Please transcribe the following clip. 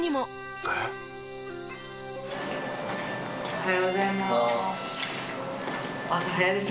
おはようございます。